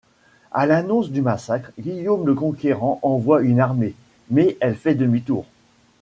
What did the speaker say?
À l'annonce du massacre, Guillaume le Conquérant envoie une armée, mais elle fait demi-tour.